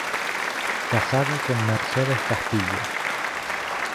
Casado con Mercedes Castillo.